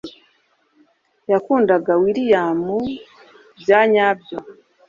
yakundaga william byanyabyo